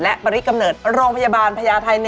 และปริกำเนิดโรงพยาบาลพญาไทย๑